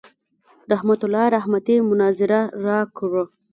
رحمت الله رحمتي مناظره راکړه.